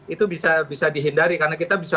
itu bisa dihindari karena kita bisa